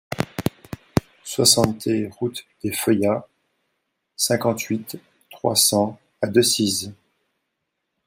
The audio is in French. soixante T route des Feuillats, cinquante-huit, trois cents à Decize